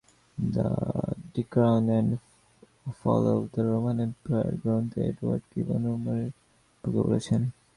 the decline and fall of the Roman empire গ্রন্থে Edward Gibbon উমরের সম্পর্কে বলেছেন: